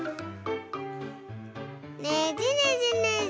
ねじねじねじ。